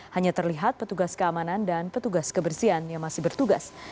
hanya terlihat petugas keamanan dan petugas kebersihan yang masih bertugas